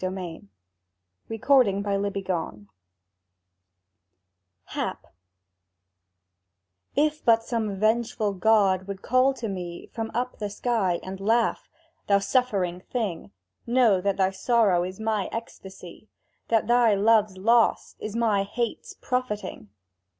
[Picture: Sketch of hour glass] HAP IF but some vengeful god would call to me From up the sky, and laugh: "Thou suffering thing, Know that thy sorrow is my ecstasy, That thy love's loss is my hate's profiting!"